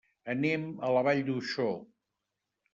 Anem a la Vall d'Uixó.